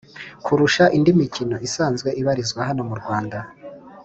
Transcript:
Kurusha indi mikino isanzwe ibarizwa hano murwanda